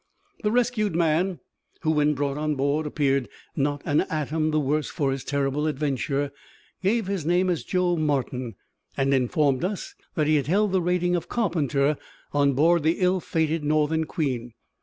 The rescued man who, when brought on board, appeared not an atom the worse for his terrible adventure gave his name as Joe Martin, and informed us that he had held the rating of carpenter on board the ill fated Northern Queen.